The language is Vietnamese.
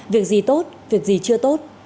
việc gì tốt việc gì chưa tốt